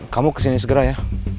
kamu kesini segera ya